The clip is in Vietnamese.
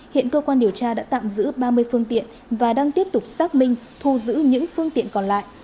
hiện cơ quan điều tra đã tạm giữ ba mươi phương tiện và đang tiếp tục xác minh thu giữ những phương tiện còn lại